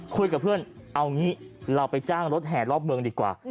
คุยกับเพื่อนเอางี้เราไปจ้างรถแห่รอบเมืองดีกว่า